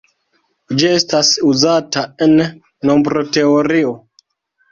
Ĝi estas uzata en nombroteorio.